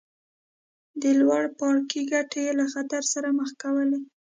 د لوړ پاړکي ګټې یې له خطر سره مخ کولې.